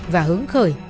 và hướng khởi